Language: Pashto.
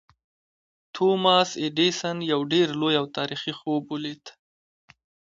توماس ایډېسن یو ډېر لوی او تاریخي خوب ولید